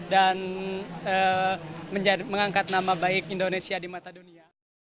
dan mengangkat nama baik indonesia di mata dunia